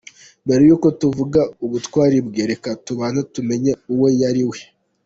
Mbere y’uko tuvuga ubutwari bwe, reka tubanze tumenye uwo yari we.